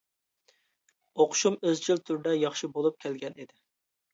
ئوقۇشۇم ئىزچىل تۈردە ياخشى بولۇپ كەلگەن ئىدى.